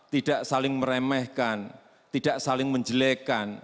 tidak saling meremehkan tidak saling menjelekan